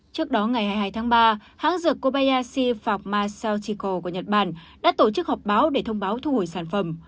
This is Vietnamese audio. trước đó ngày hai mươi hai tháng ba hãng dược kobayashi pharma sao chiko của nhật bản đã tổ chức họp báo để thông báo thu hồi sản phẩm